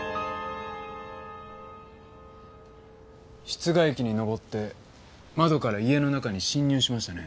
室外機に上って窓から家の中に侵入しましたね？